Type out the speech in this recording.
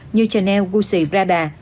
như chanel gucci prada